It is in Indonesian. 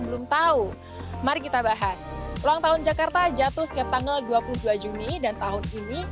belum tahu mari kita bahas ulang tahun jakarta jatuh setiap tanggal dua puluh dua juni dan tahun ini